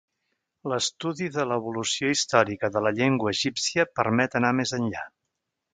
L'estudi de l'evolució històrica de la llengua egípcia permet anar més enllà.